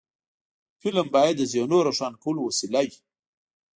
فلم باید د ذهنونو روښانه کولو وسیله وي